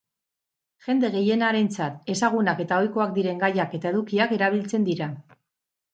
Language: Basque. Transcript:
Jende gehienarentzat ezagunak eta ohikoak diren gaiak eta edukiak erabiltzen dira.